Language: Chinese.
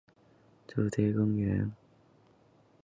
利瑟贝里是位于瑞典哥德堡的主题公园。